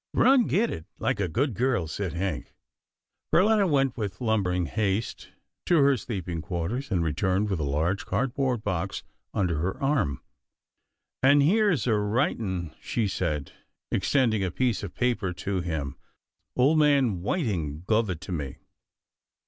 " Run get it, like a good girl," said Hank. 318 'TILDA JANE'S ORPHANS Perletta went with lumbering haste to her sleep ing quarters, and returned with a large, cardboard box under her arm. " An' here's a writin' " she said, extending a piece of paper to him, " ole man Whiting guv it me."